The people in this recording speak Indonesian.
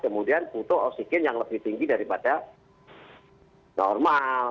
kemudian butuh oksigen yang lebih tinggi daripada normal